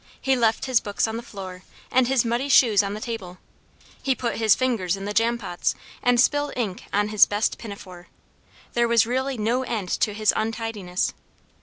He left his books on the floor, and his muddy shoes on the table; he put his fingers in the jam pots, and spilled ink on his best pinafore; there was really no end to his untidiness.